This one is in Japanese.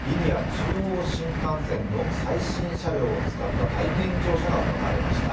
中央新幹線の最新車両を使った体験乗車が行われました。